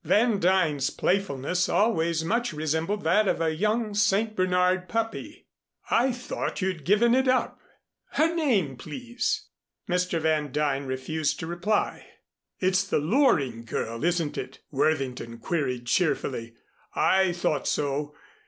Van Duyn's playfulness always much resembled that of a young St. Bernard puppy. "I thought you'd given it up. Her name, please." Mr. Van Duyn refused to reply. "It's the Loring girl, isn't it?" Worthington queried cheerfully. "I thought so.